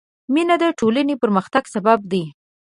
مینه د ټولنې پرمختګ سبب دی.